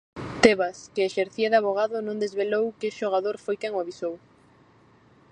Tebas, que exercía de avogado, non desvelou que xogador foi quen o avisou.